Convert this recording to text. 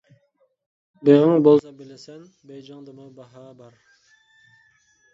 بېغىڭ بولسا بىلىسەن، بېيجىڭدىمۇ باھا بار.